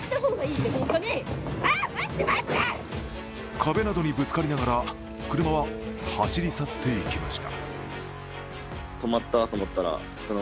壁などにぶつかりながら車は走り去っていきました。